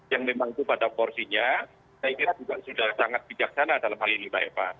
yang memang itu pada porsinya saya kira juga sudah sangat bijaksana dalam hal ini mbak eva